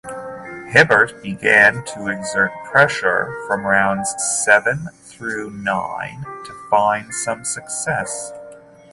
Hibbert began to exert pressure from rounds seven through nine to find some success.